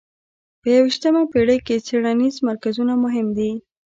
په یویشتمه پېړۍ کې څېړنیز مرکزونه مهم دي.